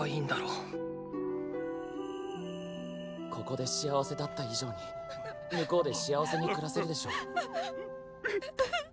ここで幸せだった以上に向こうで幸せに暮らせるでしょう。